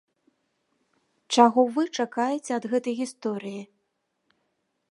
Чаго вы чакаеце ад гэтай гісторыі?